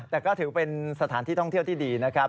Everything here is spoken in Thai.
แต่ก็ถือเป็นสถานที่ท่องเที่ยวที่ดีนะครับ